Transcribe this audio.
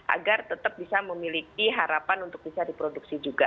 agar tetap bisa memiliki harapan untuk bisa diproduksi juga